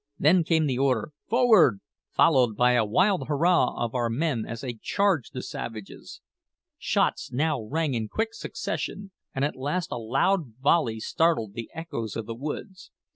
Then came the order, "Forward!" followed by a wild hurrah of our men as they charged the savages. Shots now rang in quick succession, and at last a loud volley startled the echoes of the woods.